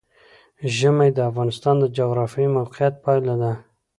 ژمی د افغانستان د جغرافیایي موقیعت پایله ده.